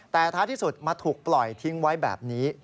แต่ท้ายที่สุดมาถูกปล่อยทิ้งไว้แบบนี้